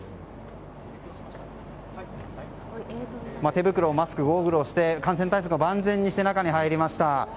手袋、マスク、ゴーグルをして感染対策を万全にして中に入りました。